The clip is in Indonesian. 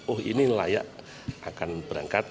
oh ini layak akan berangkat